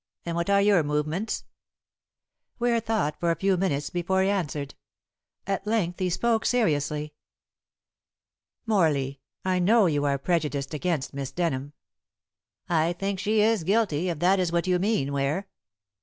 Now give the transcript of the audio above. And what are your movements?" Ware thought for a few minutes before he answered. At length he spoke seriously. "Morley, I know you are prejudiced against Miss Denham." "I think she is guilty, if that is what you mean, Ware."